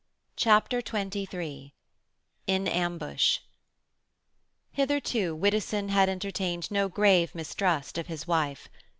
CHAPTER XXIII IN AMBUSH Hitherto, Widdowson had entertained no grave mistrust of his wife.